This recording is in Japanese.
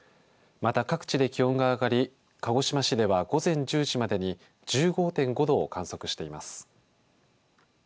また各地で気温が上がり鹿児島市では午前１０時までに１５．５度を観測しています。